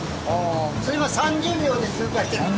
それが３０秒で通過していく。